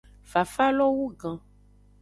Fafalo wugan.